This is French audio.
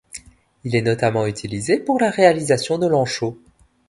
Il est notamment utilisé pour la réalisation de l'enchaud.